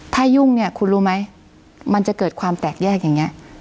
ถ้ายุ่งเนี่ยคุณรู้ไหมมันจะเกิดความแตกแยกอย่างนี้